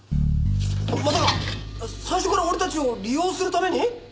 まさか最初から俺たちを利用するために！？